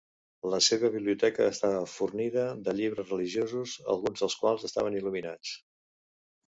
La seva biblioteca estava fornida de llibres religiosos alguns dels quals estaven il·luminats.